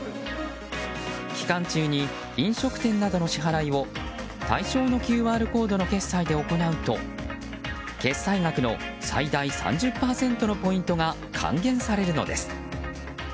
期間中に飲食店などの支払いを対象のＱＲコードの決済で行うと決済額の最大３０％のポイントが還元されるのです。